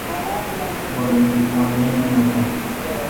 مہ نیند نہ بوُن